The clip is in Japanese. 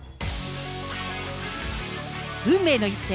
運命の一戦。